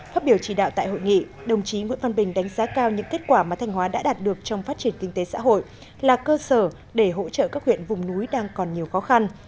phát biểu chỉ đạo tại hội nghị đồng chí nguyễn văn bình đánh giá cao những kết quả mà thanh hóa đã đạt được trong phát triển kinh tế xã hội là cơ sở để hỗ trợ các huyện vùng núi đang còn nhiều khó khăn